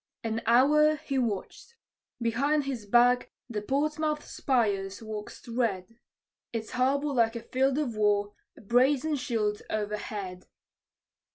An hour he watched: behind his back the Portsmouth spires waxed red; Its harbor like a field of war, a brazen shield o'erhead.